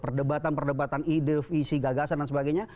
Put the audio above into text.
perdebatan perdebatan ide visi gagasan dan sebagainya